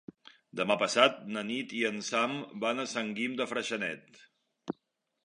Demà passat na Nit i en Sam van a Sant Guim de Freixenet.